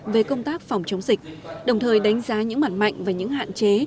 về công tác phòng chống dịch đồng thời đánh giá những mặt mạnh và những hạn chế